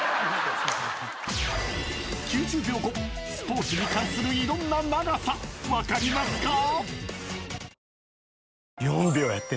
［スポーツに関するいろんな長さ分かりますか？］